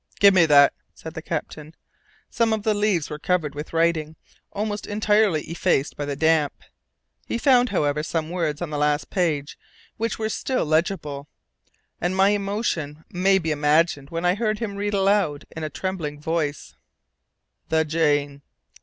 "Give me that," said the captain. Some of the leaves were covered with writing, almost entirely effaced by the damp. He found, however, some words on the last page which were still legible, and my emotion may be imagined when I heard him read aloud in a trembling voice: "The _Jane